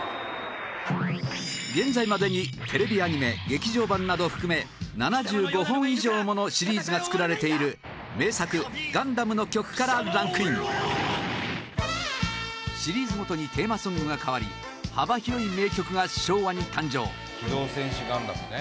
現在までにテレビアニメ、劇場版などを含め７５本以上ものシリーズが作られている名作『ガンダム』の曲からランクインシリーズごとにテーマソングが変わり幅広い名曲が昭和に誕生伊達：『機動戦士ガンダム』ね。